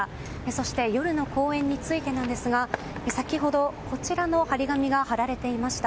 そして、夜の公演についてですが先ほどこちらの貼り紙が貼られていました。